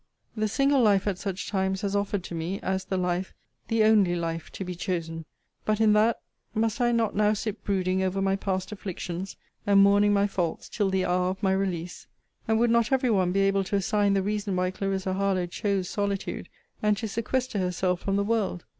'The single life, at such times, has offered to me, as the life, the only life, to be chosen. But in that, must I not now sit brooding over my past afflictions, and mourning my faults till the hour of my release? And would not every one be able to assign the reason why Clarissa Harlowe chose solitude, and to sequester herself from the world?